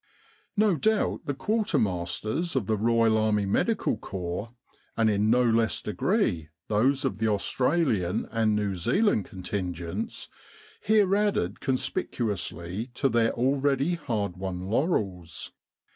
No doubt the quartermasters of the Royal Army Medical Corps, and in no less degree those of the Australian and New Zealand contingents, here added conspicuously to their already hard won laurels.